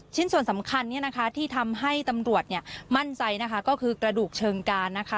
ชิ้นส่วนสำคัญเนี่ยนะคะที่ทำให้ตำรวจเนี่ยมั่นใจนะคะก็คือกระดูกเชิงการนะคะ